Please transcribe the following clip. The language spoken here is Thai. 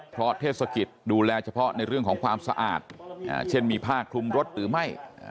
เพราะเทศกิจดูแลเฉพาะในเรื่องของความสะอาดเช่นมีผ้าคลุมรถหรือไม่